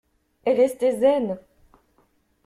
Restez zen!